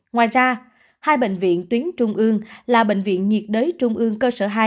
ngoài ra hai bệnh viện tuyến trung ương là bệnh viện nhiệt đới trung ương cơ sở hai